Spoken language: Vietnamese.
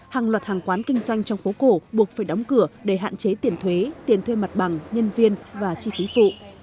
hàng loạt hàng quán kinh doanh trong phố cổ buộc phải đóng cửa để hạn chế tiền thuế tiền thuê mặt bằng nhân viên và chi phí phụ